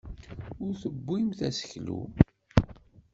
Ur tebbimt aseklu.